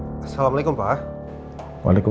di rake yg salah kaya asm everything gitu